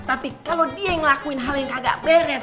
tapi kalo dia ngelakuin hal yang kagak beres